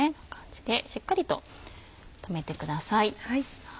しっかりと留めてください。